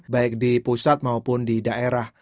baik di pusat maupun di daerah